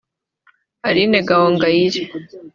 Aline Gahongayire